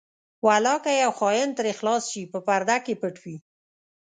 ولاکه یو خاین ترې خلاص شي په پرده کې پټ وي.